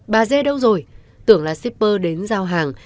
bà dê đâu rồi tưởng là shipper đến giao hàng